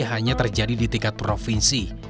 hanya terjadi di tingkat provinsi